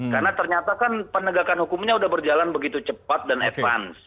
karena ternyata kan penegakan hukumnya sudah berjalan begitu cepat dan advance